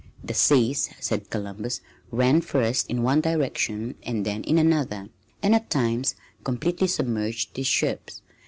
The seas, said Columbus, ran first in one direction and then in another, and at times completely submerged his ships.